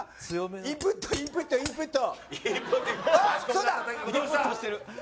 インプット、インプットインプット。